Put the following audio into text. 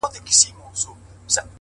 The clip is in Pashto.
o چيري چي دود نه وي، هلته سود نه وي.